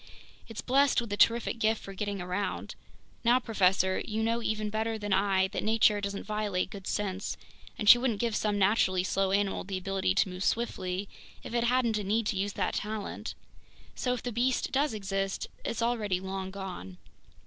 It's blessed with a terrific gift for getting around. Now, professor, you know even better than I that nature doesn't violate good sense, and she wouldn't give some naturally slow animal the ability to move swiftly if it hadn't a need to use that talent. So if the beast does exist, it's already long gone!"